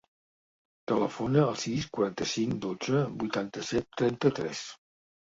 Telefona al sis, quaranta-cinc, dotze, vuitanta-set, trenta-tres.